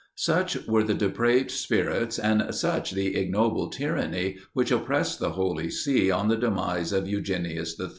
Such were the depraved spirits, and such the ignoble tyranny, which oppressed the Holy See on the demise of Eugenius III.